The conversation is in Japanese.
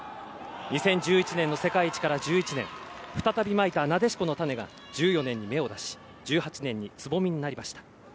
２０１１年の世界一から１１年再びまいたなでしこの種が１４年に芽を出し１８年につぼみになりました。